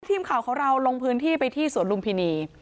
ทีมข่าวของเราลงพื้นที่ไปที่สวนลุมพินี